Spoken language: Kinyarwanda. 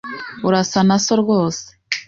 Urasa na so rwose .